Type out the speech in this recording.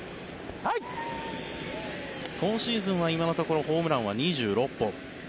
今シーズンは今のところホームランは２６本。